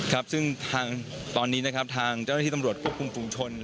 ครับซึ่งทางตอนนี้นะครับทางเจ้าหน้าที่สำหรับ